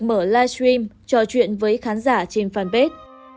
mở livestream trò chuyện với khán giả trên fanpage